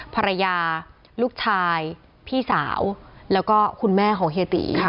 ภรรยาลูกชายพี่สาวแล้วก็คุณแม่ของเฮียตี